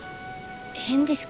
変ですかね。